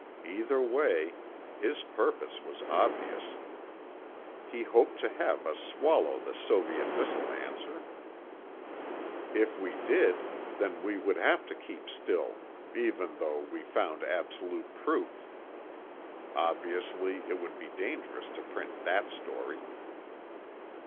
Either way, his purpose was obvious. He hoped to have us swallow the Soviet missile answer. If we did, then we would have to keep still, even though we found absolute proof. Obviously, it would be dangerous to print that story.